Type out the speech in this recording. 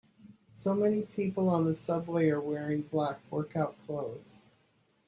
So many people on the subway are wearing black workout clothes.